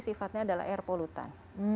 sifatnya adalah air polutan